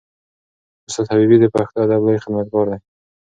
استاد حبیبي د پښتو ادب لوی خدمتګار دی.